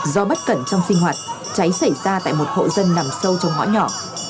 do bất cẩn trong sinh hoạt cháy xảy ra tại một hộ dân nằm sâu trong ngõ nhỏ